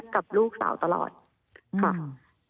กับลูกสาวตลอดค่ะ